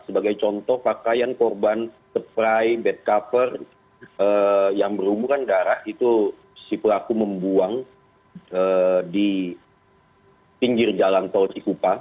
sebagai contoh pakaian korban setrai bed cover yang berumuran darah itu si pelaku membuang di pinggir jalan tol di kupa